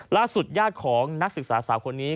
ล่าสุดญาติของนักศึกษาสาวคนนี้